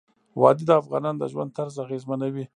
وادي د افغانانو د ژوند طرز اغېزمنوي.